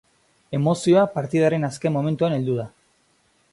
Emozioa partidaren azken momentuan heldu da.